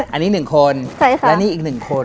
อันนี้หนึ่งคนและนี่อีกหนึ่งคน